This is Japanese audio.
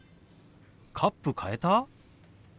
カップ変えた？